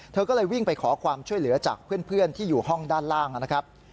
เธอก็เลยวิ่งไปขอความช่วยเหลือจากเพื่อนที่อยู่ห้องด้านล่างนะครับ